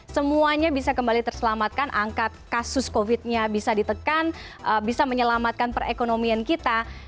semuanya bisa kembali terselamatkan angka kasus covid nya bisa ditekan bisa menyelamatkan perekonomian kita